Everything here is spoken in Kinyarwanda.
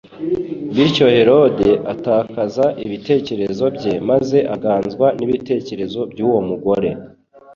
Bityo Herode atakaza ibitekerezo bye maze aganzwa n'ibitekerezo by'uwo mugore.